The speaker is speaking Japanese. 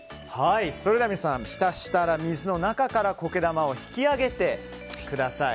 それでは皆さん浸した水の中から苔玉を引き上げてください。